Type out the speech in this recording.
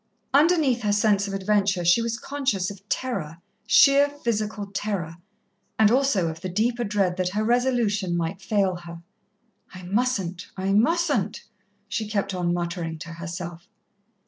Underneath her sense of adventure she was conscious of terror sheer physical terror and also of the deeper dread that her resolution might fail her. "I mustn't I mustn't," she kept on muttering to herself.